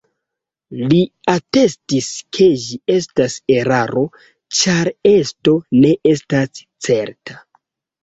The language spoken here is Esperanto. Li atestis ke ĝi estas eraro ĉar esto ne estas certa.